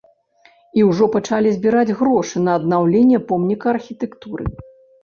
І ўжо пачалі збіраць грошы на аднаўленне помніка архітэктуры.